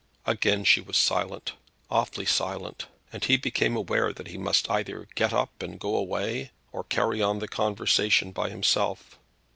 Again she was silent, awfully silent, and he became aware that he must either get up and go away or carry on the conversation himself.